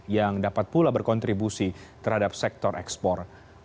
yang dapat pula berkontribusi terhadap sektor ekspor